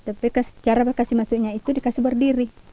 tapi cara kasih masuknya itu dikasih berdiri